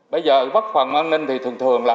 bây giờ quốc phòng an ninh thì thường thường là